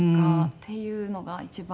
っていうのが一番